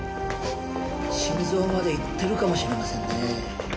心臓までいってるかもしれませんね。